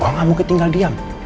al gak mungkin tinggal diam